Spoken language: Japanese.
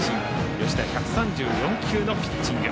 吉田、１３４球のピッチング。